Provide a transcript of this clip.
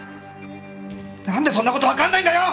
何でそんなこと分かんないんだよ！